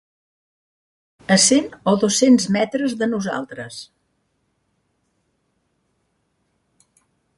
A cent o dos-cents metres de nosaltres